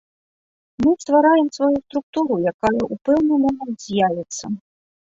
Мы ствараем сваю структуру, якая ў пэўны момант з'явіцца.